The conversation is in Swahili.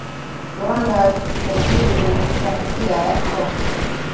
Rwanda yajibu Demokrasia ya Kongo